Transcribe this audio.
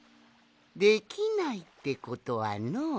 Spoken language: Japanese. できないってことはのう。